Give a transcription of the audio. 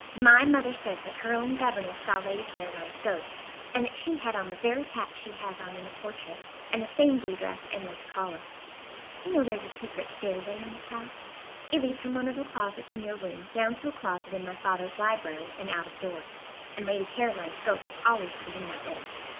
"My mother says that her own governess saw Lady Caroline's ghost. And that she had on the very hat she has on in the portrait, and the same blue dress and lace collar. You know there's a secret stairway in this house. It leads from one of the closets in your room down to a closet in my father's library and out of doors, and Lady Caroline's ghost always comes in that way."